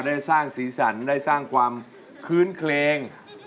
ก็ได้สร้างศีรสรรค์ได้สร้างความคืนเครง